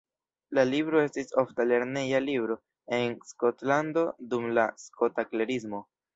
La libro estis ofta lerneja libro en Skotlando dum la Skota Klerismo.